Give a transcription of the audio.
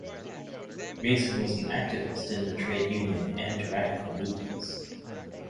Mason was an activist in the trade union and radical movements.